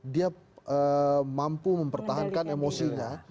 dia mampu mempertahankan emosinya